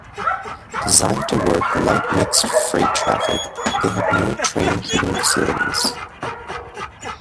Designed to work light mixed freight traffic, they have no train heating facilities.